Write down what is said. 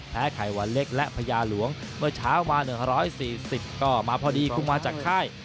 ไข่วันเล็กและพญาหลวงเมื่อเช้ามา๑๔๐ก็มาพอดีกุ้งมาจากค่าย